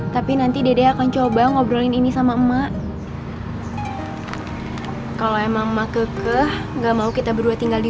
tapi nanti dede akan coba ngobrolin ini sama emak kalau emang mak kekeh nggak mau kita berdua tinggal di